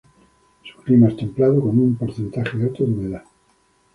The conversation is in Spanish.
Su clima es templado con un porcentaje alto de humedad.